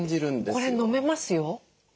これ飲めますよ。